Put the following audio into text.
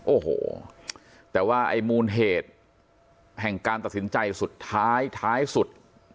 โอ้โหแต่ว่าไอ้มูลเหตุแห่งการตัดสินใจสุดท้ายท้ายสุด